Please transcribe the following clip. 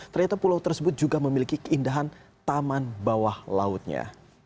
ternyata pulau tersebut juga memiliki keindahan taman bawah lautnya